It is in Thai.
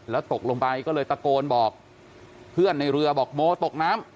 แล้วตกลงไปก็เลยตะโกนบอกเพื่อนในเรือบอกโมตกน้ำ